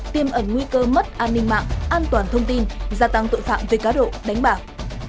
tiêm ẩn nguy cơ mất an ninh mạng an toàn thông tin gia tăng tội phạm về cá độ đánh bạc